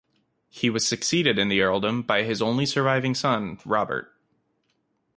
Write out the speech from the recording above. He was succeeded in the earldom by his only surviving son, Robert.